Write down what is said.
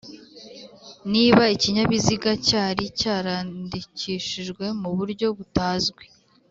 niba ikinyabiziga cyari cyarandikishijwe mu buryo butazwi